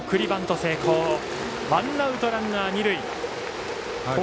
成功でワンアウトランナー、二塁。